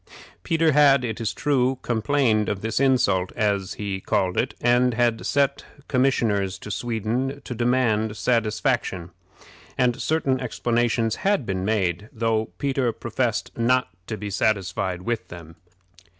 Peter had, it is true, complained of this insult, as he called it, and had sent commissioners to Sweden to demand satisfaction; and certain explanations had been made, though Peter professed not to be satisfied with them.